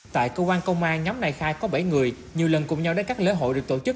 tại cơ quan công an nhóm này khai có bảy người nhiều lần cùng nhau đến các lễ hội được tổ chức